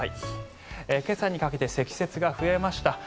今朝にかけて積雪が増えました。